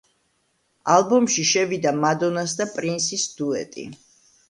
ალბომში შევიდა მადონას და პრინსის დუეტი.